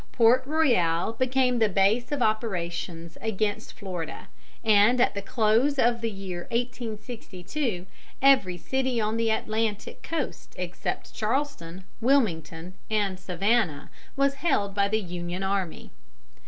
Port Royal became the base of operations against Florida, and at the close of the year 1862 every city on the Atlantic coast except Charleston, Wilmington, and Savannah was held by the Union army.